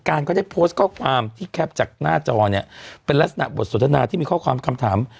การก็ได้โพสต์ข้อความที่แคปจากหน้าจอเนี่ยเป็นลักษณะบทสนทนาที่มีข้อความคำถาม